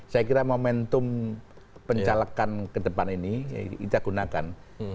saya kira momentum pencalekan ke depan ini kita gunakan